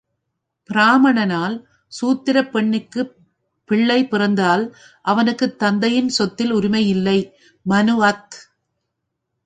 பிராமணனால் சூத்திரப் பெண்ணிற்குப் பிள்ளை பிறந்தால் அவனுக்குத் தந்தையின் சொத்தில் உரிமையில்லை. மனு அத்.